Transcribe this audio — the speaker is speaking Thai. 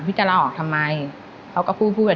จะลาออกทำไมเขาก็พูดพูดไป